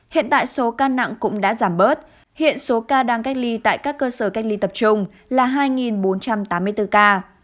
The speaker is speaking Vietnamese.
hiện tại số ca nặng cũng đã giảm bớt hiện số ca đang cách ly tại các cơ sở cách ly tập trung là hai bốn trăm tám mươi bốn ca